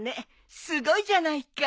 すごいじゃないか。